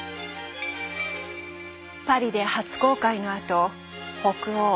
パリで初公開のあと北欧